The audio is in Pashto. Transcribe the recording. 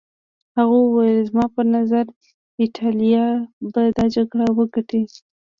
هغه وویل زما په نظر ایټالیا به دا جګړه وګټي.